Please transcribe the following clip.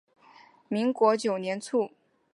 民国九年卒。